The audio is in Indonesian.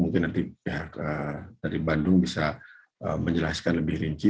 mungkin nanti pihak dari bandung bisa menjelaskan lebih rinci